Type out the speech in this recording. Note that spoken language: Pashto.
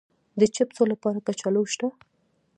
د چپسو لپاره کچالو شته؟